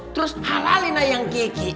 terus halalin ayam kiki